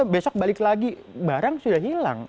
besok balik lagi barang sudah hilang